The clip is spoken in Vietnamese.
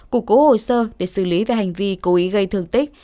củng cố hồ sơ để xử lý về hành vi cố ý gây thương tích